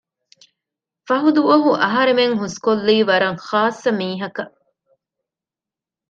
ފަހު ދުވަހު އަހަރެމެން ހުސްކޮށްލީ ވަރަށް ޚާއްސަ މީހަކަށް